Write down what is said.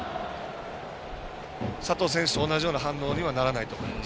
佐藤選手と同じような反応にはならないと思います。